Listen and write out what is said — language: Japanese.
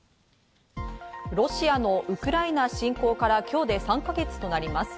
ロシアのウクライナ侵攻から今日で３か月となります。